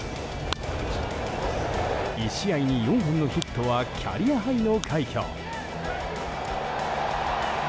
１試合に４本のヒットはキャリアハイの快挙。